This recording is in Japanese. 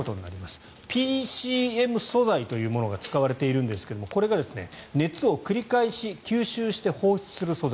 ＰＣＭ素材というものが使われているんですがこれは熱を繰り返し吸収して放出する素材。